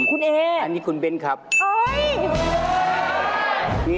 คุณเออ่ะอันนี้คุณเบนครับโอ้โฮ